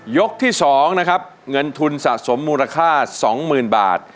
ยกที่๒นะครับเงินทุนสะสมมูลค่า๒๐๐๐บาท